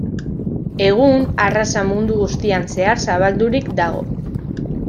Egun arraza mundu guztian zehar zabaldurik dago.